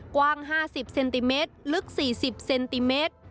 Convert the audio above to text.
กว้าง๕๐เซนติเมตรลึก๔๐เซนติเมตร